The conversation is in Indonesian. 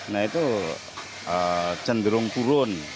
nah itu cenderung turun